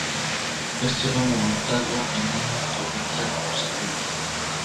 Éste va montado en una torreta oscilante.